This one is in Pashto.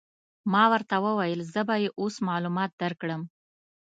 ما ورته وویل: زه به يې اوس معلومات در وکړم.